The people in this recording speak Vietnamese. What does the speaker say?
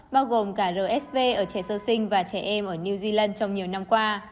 bao gồm cả rsv ở trẻ sơ sinh và trẻ em ở new zealand trong nhiều năm qua